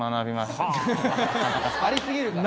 ありすぎるから。